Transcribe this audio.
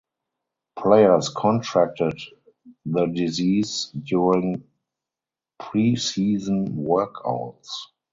Players contracted the disease during preseason workouts.